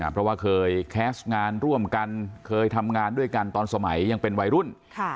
เพราะว่าเคยแคสต์งานร่วมกันเคยทำงานด้วยกันตอนสมัยยังเป็นวัยรุ่น